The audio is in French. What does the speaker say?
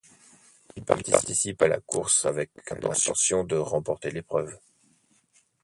Il participe à la course avec l'intention de remporter l'épreuve.